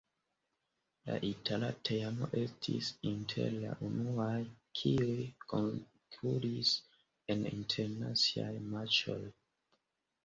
La itala teamo estis inter la unuaj, kiuj konkuris en internaciaj matĉoj.